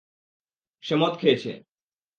সে মদ খেয়েছে।